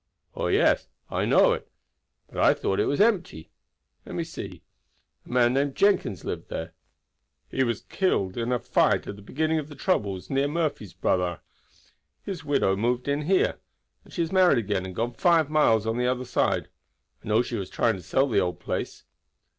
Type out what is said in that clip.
"Oh, yes! I know it. But I thought it was empty. Let me see, a man named Jenkins lived there. He was killed at the beginning of the troubles in a fight near Murfreesboro. His widow moved in here; and she has married again and gone five miles on the other side. I know she was trying to sell the old place."